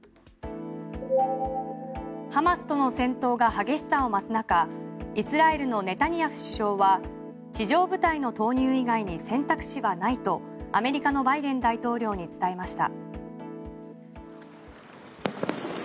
ハマスとの戦闘が激しさを増す中イスラエルのネタニヤフ首相は地上部隊の投入以外に選択肢はないとアメリカのバイデン大統領に伝えました。